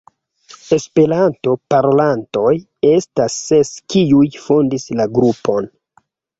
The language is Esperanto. Esperanto parolantoj estas ses, kiuj fondis la grupon.